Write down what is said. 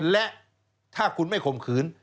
และถ้าคุณไม่ข่มขืน